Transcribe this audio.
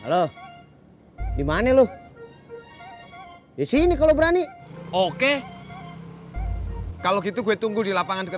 halo dimana lu di sini kalau berani oke kalau gitu gue tunggu di lapangan deket